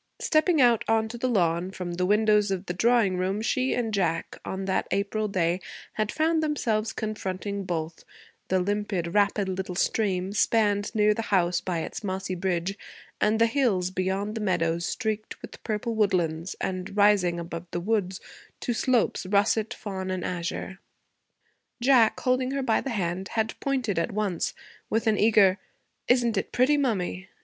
Stepping out on to the lawn from the windows of the drawing room, she and Jack, on that April day, had found themselves confronting both the limpid, rapid little stream, spanned near the house by its mossy bridge, and the hills, beyond the meadows, streaked with purple woodlands and rising, above the woods, to slopes russet, fawn, and azure. Jack, holding her by the hand, had pointed at once with an eager 'Isn't it pretty, mummy!'